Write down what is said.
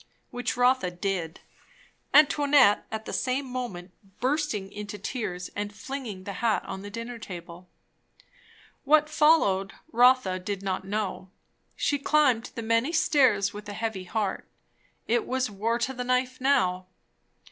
Which Rotha did, Antoinette at the same moment bursting into tears and flinging the hat on the dinner table. What followed, Rotha did not know. She climbed the many stairs with a heavy heart. It was war to the knife now.